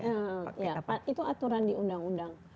eh ya itu aturan di undang undang